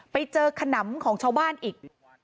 ไปเจอขนำของชาวบ้านอีก